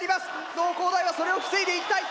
農工大はそれを防いでいきたい！